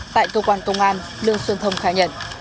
tại cơ quan công an lương xuân thông khai nhận